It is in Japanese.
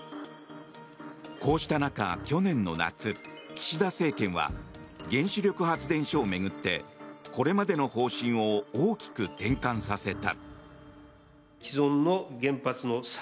こうした中、去年の夏岸田政権は原子力発電所を巡ってこれまでの方針を大きく転換させた。